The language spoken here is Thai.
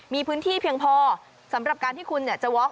มีพื้นที่เพียงพอสำหรับการที่คุณจะวอค